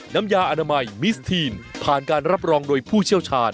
น้ำยาอนามัยมิสทีนผ่านการรับรองโดยผู้เชี่ยวชาญ